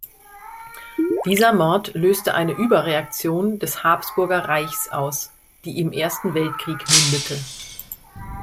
Dieser Mord löste eine Überreaktion des Habsburger Reichs aus, die im Ersten Weltkrieg mündete.